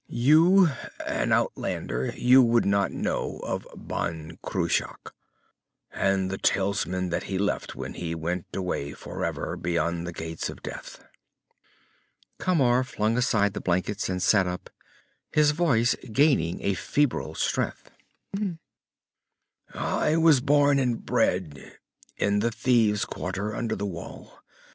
You're an outlander, you would not know of Ban Cruach, and the talisman that he left when he went away forever beyond the Gates of Death." Camar flung aside the blankets and sat up, his voice gaining a febrile strength. "I was born and bred in the Thieves' Quarter under the Wall.